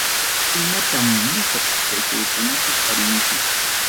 Chaynatam musuq yachaykunata tarinchik.